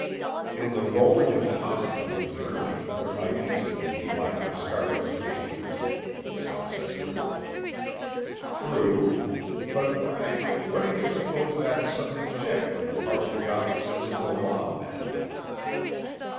"In the rolling and tossing of the journey there might easily be minor scarifications," said Sedgwick. "True. But, Frank, what did you suppose that sudden shift on the part of the officers of the law meant?"